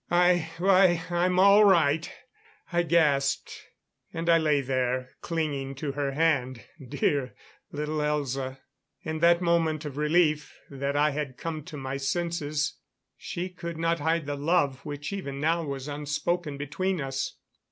"I why, I'm all right," I gasped. And I lay there, clinging to her hand. Dear little Elza! In that moment of relief that I had come to my senses, she could not hide the love which even now was unspoken between us.